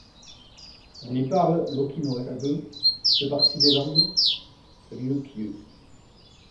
On y parle l'oki-no-erabu qui fait partie des langues ryukyu.